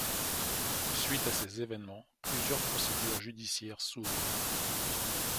Suite à ces évènements, plusieurs procédures judiciaires s’ouvrent.